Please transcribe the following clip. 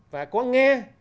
và có nghe